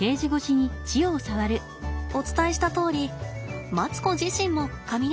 お伝えしたとおりマツコ自身もかみね